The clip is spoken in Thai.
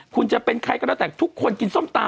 คุณจะเป็นใครก็แล้วแต่ทุกคนกินส้มตำ